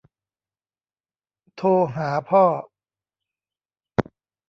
โทรหาพ่อ